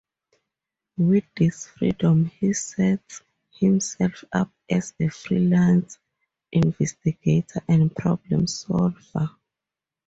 With this freedom he sets himself up as a freelance investigator and problem solver.